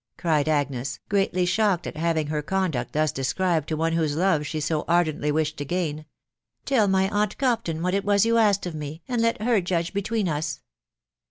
cried Agnes, greatly shocked at having her conduct thus described to one whose love she so ardently wished to gain. ..." Tell my aunt Compton what it was you asked of me, and let her judge be tween us."